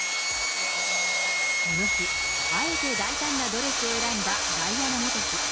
この日、あえて大胆なドレスを選んだダイアナ元妃。